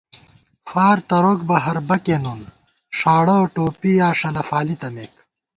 فار تروک بہ ہر بَکےنُن ݭاڑہ ٹوپی یا ݭلہ فالی تمېک